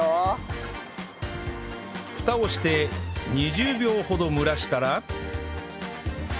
蓋をして２０秒ほど蒸らしたら